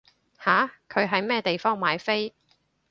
吓？佢喺咩地方買飛？